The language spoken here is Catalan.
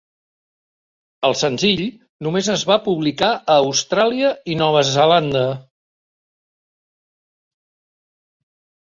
El senzill només es va publicar a Austràlia i Nova Zelanda.